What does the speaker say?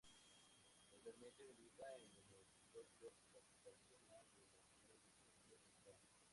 Actualmente milita en el Fútbol Club Cartagena de la Segunda División B de España.